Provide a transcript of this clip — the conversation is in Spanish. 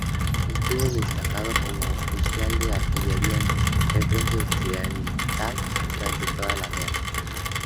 Estuvo destacado como Oficial de Artillería en el Frente Occidental durante toda la guerra.